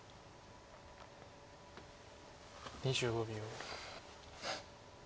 ２５秒。